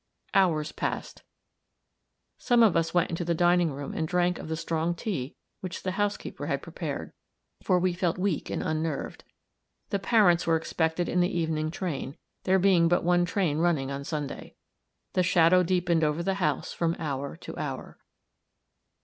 Hours passed. Some of us went into the dining room and drank of the strong tea which the housekeeper had prepared, for we felt weak and unnerved. The parents were expected in the evening train, there being but one train running on Sunday. The shadow deepened over the house from hour to hour.